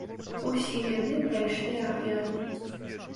Усе яны прайшлі агляд.